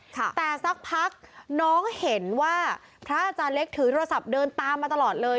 แต่สักพักน้องเห็นว่าพระอาจารย์เล็กถือโทรศัพท์เดินตามมาตลอดเลย